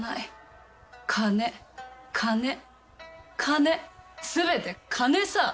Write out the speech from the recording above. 金金金全て金さ！